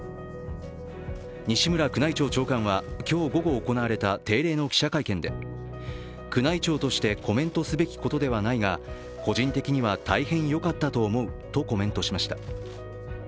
西村宮内庁長官は今日午後行われた定例の記者会見で宮内庁としてコメントすべきことではないが個人的には大変よかったと思うとコメントしました。